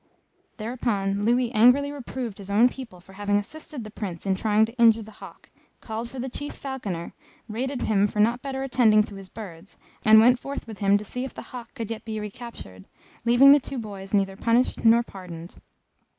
Thereupon Louis angrily reproved his own people for having assisted the Prince in trying to injure the hawk, called for the chief falconer, rated him for not better attending to his birds, and went forth with him to see if the hawk could yet be recaptured, leaving the two boys neither punished nor pardoned.